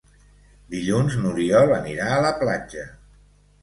Dilluns n'Oriol anirà a la platja.